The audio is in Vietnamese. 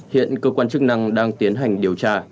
hiện cơ quan chức năng đang tiến hành điều tra